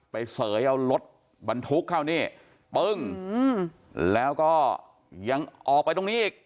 เสยเอารถบรรทุกเข้านี่ปึ้งแล้วก็ยังออกไปตรงนี้อีก